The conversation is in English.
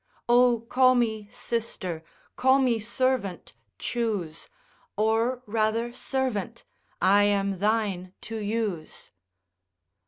O call me sister, call me servant, choose, Or rather servant, I am thine to use.